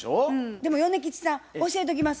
でも米吉さん教えときます。